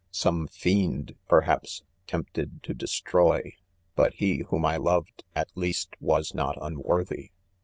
Some fiend, perhaps, tempted to destroy, .but he whom I loved, at least, was not unworthy.